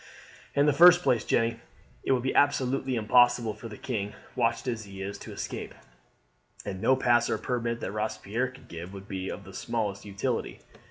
"In the first place, Jeanne, it would be absolutely impossible for the king, watched as he is, to escape; and no pass or permit that Robespierre could give would be of the smallest utility.